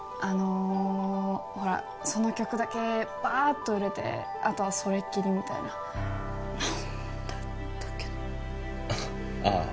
あのほらその曲だけバーッと売れてあとはそれっきりみたいな何だったっけなあ